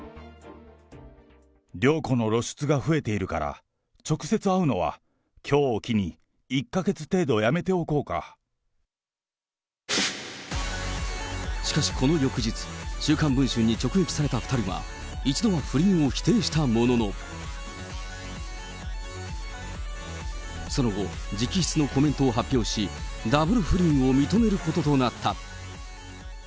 涼子の露出が増えているから、直接会うのはきょうを機に、しかしこの翌日、週刊文春に直撃された２人は、一度は不倫を否定したものの、その後、直筆のコメントを発表し、ダブル不倫を認めることとなった。